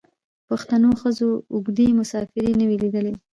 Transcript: پښتنو ښځو اوږدې مسافرۍ نه وې لیدلي.